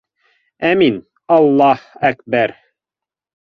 Амин аллаһа әкбәр!